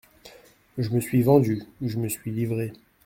Je me suis vendue, je me suis livrée.